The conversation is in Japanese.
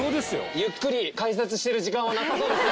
ゆっくり解説してる時間はなさそうです。